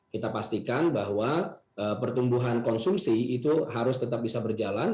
kita pastikan bahwa pertumbuhan konsumsi itu harus tetap bisa berjalan